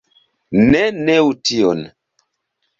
Ne neu tion.